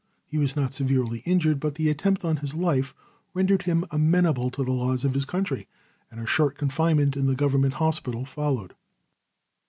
He was not severely injured, but the attempt on his life rendered him amenable to the laws of his country, and a short confinement in the government hospital followed.